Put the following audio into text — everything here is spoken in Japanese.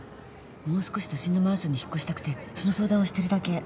もう少し都心のマンションに引っ越したくてその相談をしてるだけ。